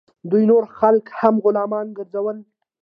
دوی نور خلک هم غلامان ګرځول.